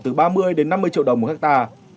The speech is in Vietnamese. từ ba mươi đến năm mươi triệu đồng một hectare